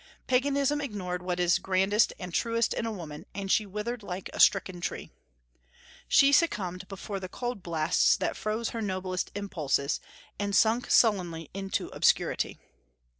Paganism ignored what is grandest and truest in a woman, and she withered like a stricken tree. She succumbed before the cold blasts that froze her noblest impulses, and sunk sullenly into obscurity.